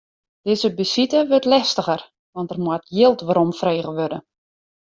Dizze besite wurdt lestiger, want der moat jild weromfrege wurde.